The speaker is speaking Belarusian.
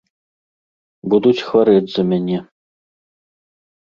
Будуць хварэць за мяне.